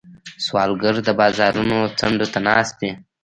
سوالګر د بازارونو څنډو ته ناست وي